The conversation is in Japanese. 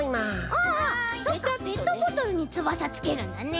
ああそっかペットボトルにつばさつけるんだね。